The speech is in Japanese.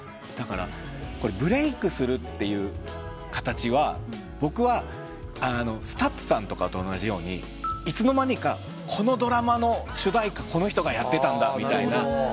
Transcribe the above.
だからブレークするっていう形は僕はＳＴＵＴＳさんとかと同じようにいつの間にかこのドラマの主題歌この人がやってたんだみたいな。